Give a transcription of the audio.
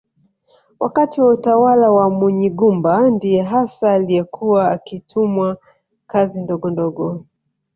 Wakati wa utawala wa Munyigumba ndiye hasa aliyekuwa akitumwa kazi ndogondogo